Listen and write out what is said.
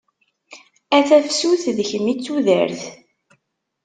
A tafsut, d kemm i d tudert.